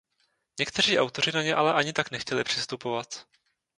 Někteří autoři na ně ale ani tak nechtěli přistupovat.